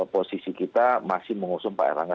posisi kita masih mengusung pak erlangga